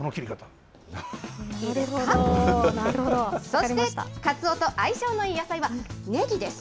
そして、かつおと相性のいい野菜はねぎです。